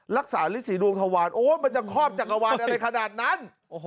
รักษาฤษีดวงธวารโอ้ยมันจะครอบจักรวาลอะไรขนาดนั้น